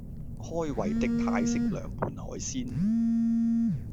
開胃的泰式涼拌海鮮